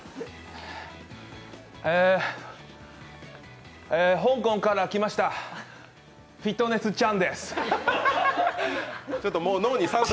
えー、香港から来ました、フィットネス・チャンです。